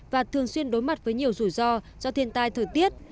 và thường xuyên đối mặt với nhiều rủi ro do thiên tai thời tiết